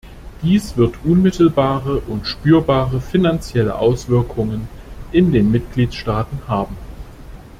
Dies wird unmittelbare und spürbare finanzielle Auswirkungen in den Mitgliedstaaten haben.